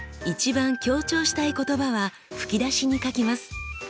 一番強調したい言葉は吹き出しに書きます。